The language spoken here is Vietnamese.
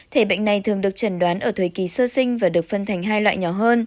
thể bệnh này thường được chẩn đoán ở thời kỳ sơ sinh và được phân thành hai loại nhỏ hơn